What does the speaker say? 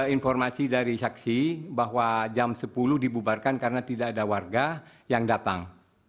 informasi dari saksi bahwa jam sepuluh dibubarkan karena tidak ada warga yang datang